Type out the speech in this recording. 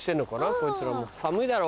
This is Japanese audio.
こいつらも寒いだろ。